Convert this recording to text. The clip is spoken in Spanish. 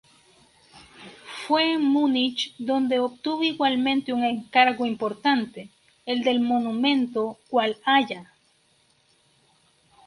Fue en Múnich donde obtuvo igualmente un encargo importante, el del monumento Walhalla.